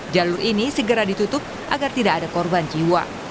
jalur ini segera ditutup agar tidak ada korban jiwa